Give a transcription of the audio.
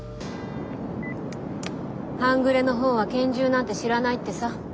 半グレの方は拳銃なんて知らないってさ。